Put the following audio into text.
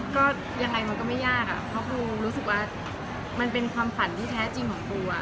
ก็ยังไงมันก็ไม่ยากอะเพราะปูรู้สึกว่ามันเป็นความฝันที่แท้จริงของปูอ่ะ